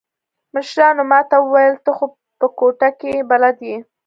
مشرانو ما ته وويل ته خو په کوټه کښې بلد يې.